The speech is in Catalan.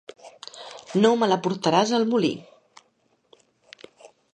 No me la portaràs al molí.